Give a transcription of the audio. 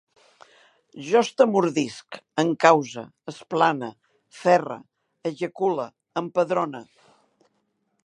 Jo estamordisc, encause, esplane, ferre, ejacule, empadrone